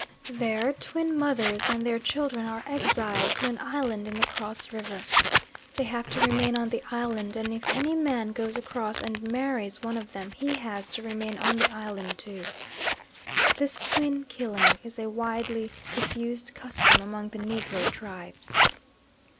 There twin mothers and their children are exiled to an island in the Cross River. They have to remain on the island and if any man goes across and marries one of them he has to remain on the island too. This twin killing is a widely diffused custom among the Negro tribes.